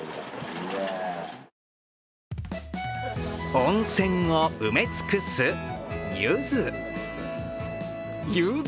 温泉を埋め尽くす、ゆず。